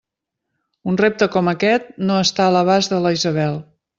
Un repte com aquest no està a l'abast de la Isabel!